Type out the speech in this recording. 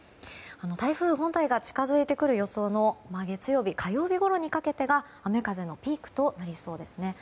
台風本体が近づいてくる予想の月曜日、火曜日ごろにかけてが雨風のピークとなりそうですね。